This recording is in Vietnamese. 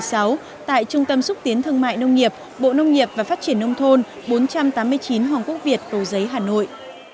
tại trung tâm xúc tiến thương mại nông nghiệp bộ nông nghiệp và phát triển nông thôn bốn trăm tám mươi chín hoàng quốc việt cầu giấy hà nội